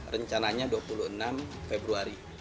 rencananya dua puluh enam februari